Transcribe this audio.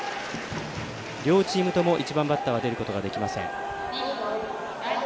両チームとも１番バッターは出ることができません。